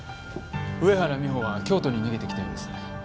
上原美帆は京都に逃げてきたようです。